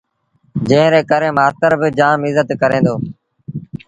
جݩهݩ ري ڪري مآستر با جآم ازت ڪري دو